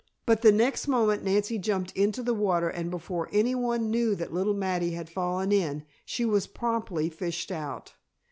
But the next moment Nancy jumped into the water and before anyone knew that little Mattie had fallen in, she was promptly fished out!